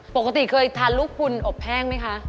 ปกติเคยทานลูกคุณอบแห้งไหมคะ